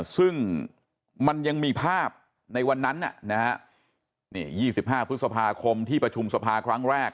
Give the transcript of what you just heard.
ซึ่งมันยังมีภาพในวันนั้น๒๕พฤษภาคมที่ประชุมสภาครั้งแรก